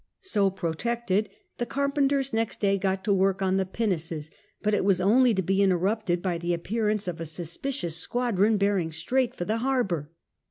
So protected, the carpenters next day got to work on the pinnaces, but it was only to be interrupted by the appearance of a suspicious squadron bearing straight for the harbour.